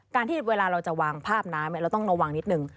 ที่เวลาเราจะวางภาพน้ำเราต้องระวังนิดนึง